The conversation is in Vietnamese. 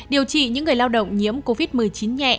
điều trị những người lao động nhiễm covid một mươi chín nhẹ